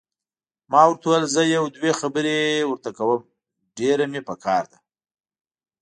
ما ورته وویل: زه یو دوې خبرې ورته کوم، ډېره مې پکار ده.